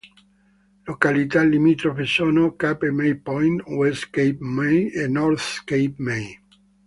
Località limitrofe sono Cape May Point, West Cape May e North Cape May.